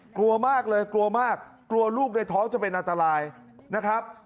กลัวมากเลยกลัวมากกลัวลูกในท้องจะเป็นอันตรายนะครับ